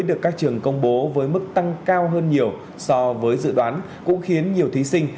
được các trường công bố với mức tăng cao hơn nhiều so với dự đoán cũng khiến nhiều thí sinh